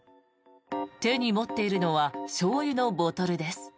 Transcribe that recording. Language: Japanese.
手に持っているのはしょうゆのボトルです。